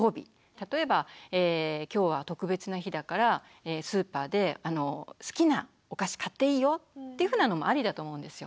例えば「今日は特別な日だからスーパーで好きなお菓子買っていいよ」っていうふうなのもありだと思うんですよ。